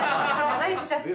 長居しちゃって。